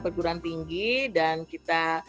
perguruan tinggi dan kita